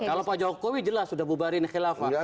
kalau pak jokowi jelas sudah bubarin khilafah